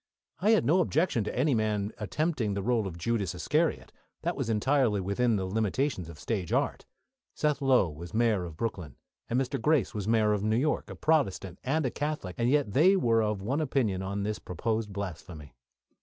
I had no objection to any man attempting the role of Judas Iscariot. That was entirely within the limitations of stage art. Seth Low was Mayor of Brooklyn, and Mr. Grace was Mayor of New York a Protestant and a Catholic and yet they were of one opinion on this proposed blasphemy.